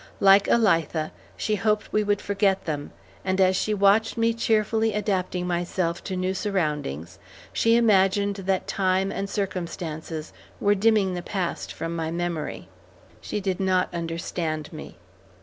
Like Elitha, she hoped we would forget them, and as she watched me cheerfully adapting myself to new surroundings, she imagined that time and circumstances were dimming the past from my memory. She did not understand me.